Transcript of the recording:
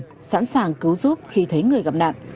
nguy hiểm sẵn sàng cứu giúp khi thấy người gặp nạn